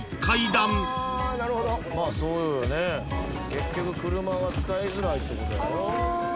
結局車が使いづらいってことやろ？